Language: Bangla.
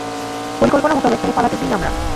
পরিকল্পনা মোতাবেক তাকে পালাতে দিই আমরা।